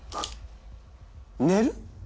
寝る！？